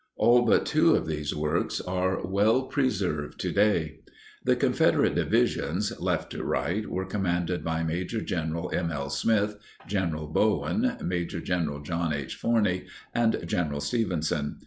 (All but two of these works are well preserved today.) The Confederate divisions, left to right, were commanded by Maj. Gen. M. L. Smith, General Bowen, Maj. Gen. John H. Forney, and General Stevenson.